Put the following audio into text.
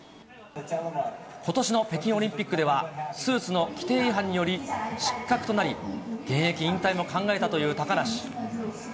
ことしの北京オリンピックでは、スーツの規定違反により、失格となり、現役引退も考えたという高梨。